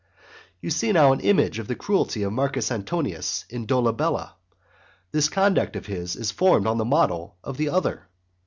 III. You see now an image of the cruelty of Marcus Antonius in Dolabella, this conduct of his is formed on the model of the other.